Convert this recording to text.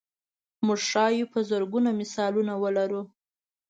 موږ ښایي په زرګونو مثالونه ولرو.